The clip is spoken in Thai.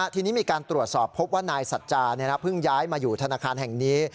ทีนี้มีการตรวจสอบพบว่านายสัจจาเพิ่งย้ายมาอยู่ธนาคารแห่งนี้